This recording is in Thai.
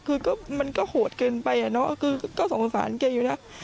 คือก็มันก็โหดเกินไปอะเนาะคือก็สงสารแกอยู่นะ